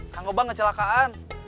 kang kobang kecelakaan